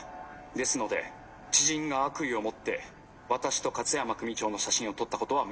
ですので知人が悪意を持って私と勝山組長の写真を撮ったことは明白です。